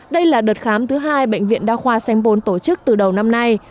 đây là đợt khám thứ hai bệnh viện đa khoa sanh bồn tổ chức từ đầu năm nay